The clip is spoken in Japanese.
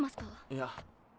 いや。